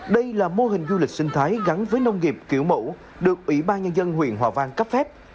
đây là mô hình du lịch sinh thái gắn với nông nghiệp kiểu mẫu được ủy ban nhân dân huyện hòa vang cấp phép